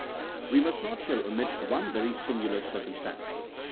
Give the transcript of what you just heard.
(17.) We must not here omit one very singular circum stance.